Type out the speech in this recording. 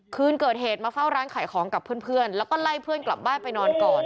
คืนเกิดเหตุมาเฝ้าร้านขายของกับเพื่อนแล้วก็ไล่เพื่อนกลับบ้านไปนอนก่อน